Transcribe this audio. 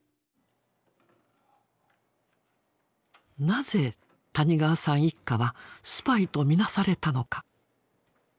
なぜ谷川さん一家はスパイとみなされたのか？